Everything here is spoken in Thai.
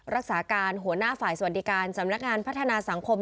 รักษาการหัวหน้าฝ่ายสวัสดิการสำนักงานพัฒนาสังคม